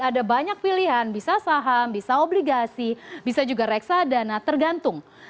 ada banyak pilihan bisa saham bisa obligasi bisa juga reksadana tergantung